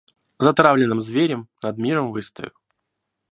Затравленным зверем над миром выстою.